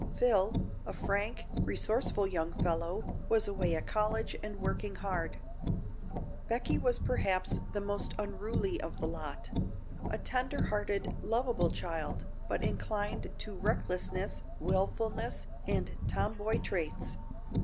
Phil, a frank, resourceful young fellow, was away at college and working hard. Becky was perhaps the most unruly of the lot; a tender hearted, lovable child, but inclined to recklessness, willfulness and tomboy traits.